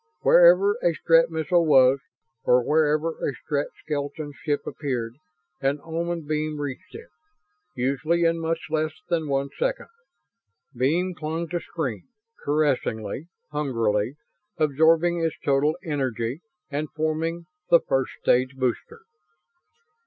Wherever a Strett missile was, or wherever a Strett skeleton ship appeared, an Oman beam reached it, usually in much less than one second. Beam clung to screen caressingly, hungrily absorbing its total energy and forming the first stage booster.